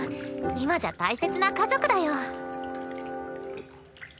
今じゃ大切な家族だよ。